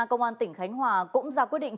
công an tỉnh khánh hòa cũng ra quyết định